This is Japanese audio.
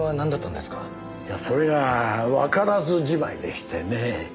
いやそれがわからずじまいでしてね。